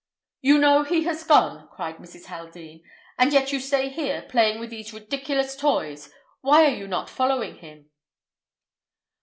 "You know he has gone," cried Mrs. Haldean, "and yet you stay here playing with these ridiculous toys. Why are you not following him?"